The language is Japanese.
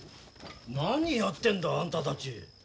何やってんだあんたたち。